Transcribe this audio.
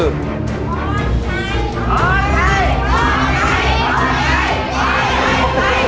พร้อมชัย